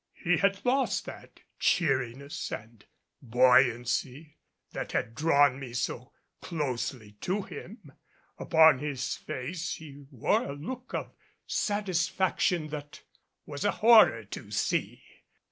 He had lost that cheeriness and buoyancy that had drawn me so closely to him. Upon his face he wore a look of satisfaction that was a horror to see.